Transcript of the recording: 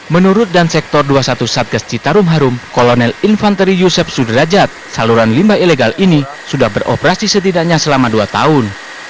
menurut dan sektor dua puluh satu satgas citarum harum kolonel infanteri yusef sudrajat saluran limbah ilegal ini sudah beroperasi setidaknya selama dua tahun